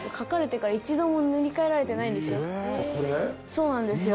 そうなんですよ。